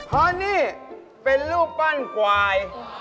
เพราะนี่เป็นรูปปั้นควาย